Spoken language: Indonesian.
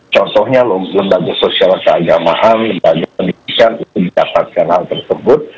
contohnya lembaga sosial dan keagamaan lembaga pendidikan itu didapatkan hal tersebut